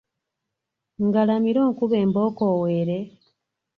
Ngalamire onkube embooko oweere?